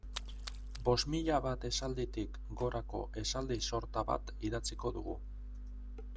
Bost mila bat esalditik gorako esaldi sorta bat idatziko dugu.